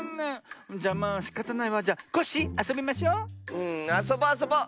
うんあそぼうあそぼう！